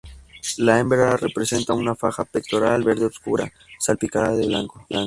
La hembra presenta una faja pectoral verde oscura, salpicada de blanco.